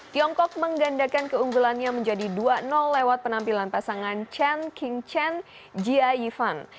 tiongkok menggandakan keunggulannya menjadi dua lewat penampilan pasangan chen king chen jia yivan